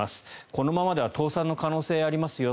このままでは倒産の可能性がありますよ。